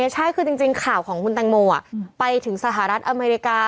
ใช่คือจริงข่าวของคุณแตงโมไปถึงสหรัฐอเมริกา